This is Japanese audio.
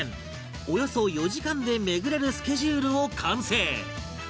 およそ４時間で巡れるスケジュールを完成